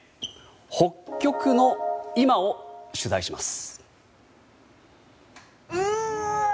北極の今を取材します。